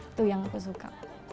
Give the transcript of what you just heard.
itu yang aku suka